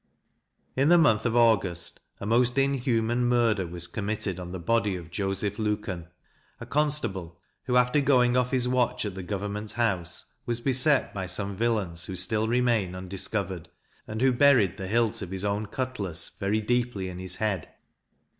In the month of August, a most inhuman murder was committed on the body of Joseph Luken, a constable, who, after going off his watch at the government house, was beset by some villains who still remain undiscovered, and who buried the hilt of his own cutlass very deeply in his head.